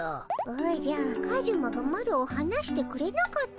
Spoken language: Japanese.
おじゃカジュマがマロをはなしてくれなかったのじゃ。